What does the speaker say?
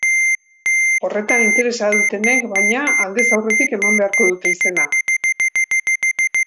Horretan interesa dutenek, baina, aldez aurretik eman beharko dute izena.